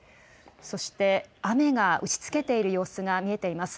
そして雨が打ちつけている様子が見えています。